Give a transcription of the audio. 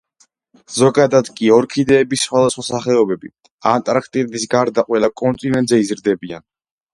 ზოგადად კი ორქიდეების სხვადასხვა სახეობები ანტარქტიდის გარდა ყველა კონტინენტზე იზრდებიან.